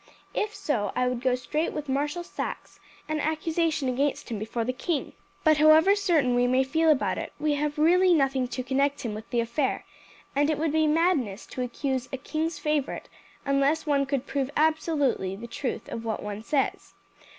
If so, I would go straight with Marshal Saxe and lay an accusation against him before the king; but however certain we may feel about it, we have really nothing to connect him with the affair, and it would be madness to accuse a king's favourite unless one could prove absolutely the truth of what one says.